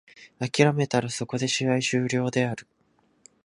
諦めたらそこで試合終了である。